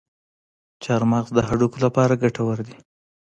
چارمغز د هډوکو لپاره ګټور دی.